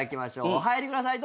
お入りください